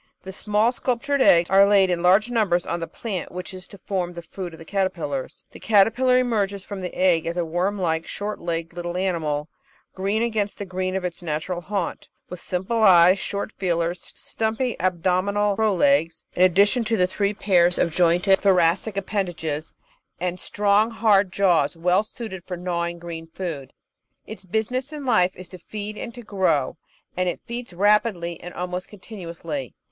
The small, sculp tured eggs are laid in large numbers on the plant which is to form the food of the caterpillars. The caterpillar emerges from the egg as a worm like, short legged little animal, green against the green of its natural haunt, with simple eyes, short feelers, stumpy abdominal "pro legs" in addition to the three pairs of jointed 532 The Outline of Science thoracic appendages, and strong, hard jaws well suited for gnaw ing green food. Its business in life is to feed and to grow, and it feeds rapidly and almost continuously.